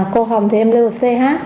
cô hồng thì em lưu là ch